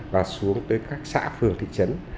và xuống tới các xã phường thị trấn